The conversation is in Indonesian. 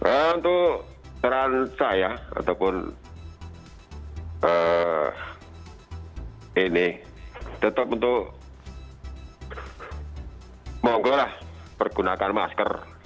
untuk peran saya ataupun ini tetap untuk menggunakan masker